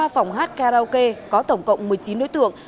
ba phòng hát karaoke có tổng cộng một mươi chín đối tượng